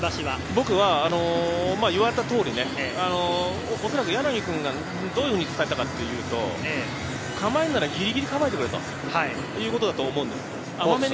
僕が言われた通り、おそらく柳君がどういうふうに言っていたかなっていうと、構えるならギリギリに構えろということだと思うんです。